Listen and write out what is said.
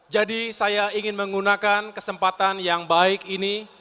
jadi saya ingin menggunakan kesempatan yang baik ini